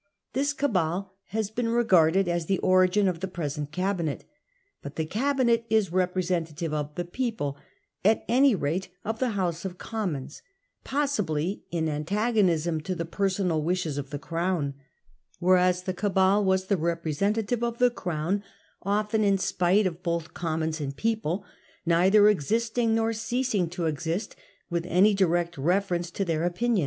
This ' cabal ' has been regarded as the origin of the pre sent * Cabinet.' But the 4 Cabinet 5 is representative of the people, at any rate of the House of Commons, possibly in antagonism to the personal wishes of the Crown ; whereas the ' Cabal' was the representative of the Crown, often in spite of both Commons and people ; neither existing nor ceasing to exist with any direct reference to their opinion.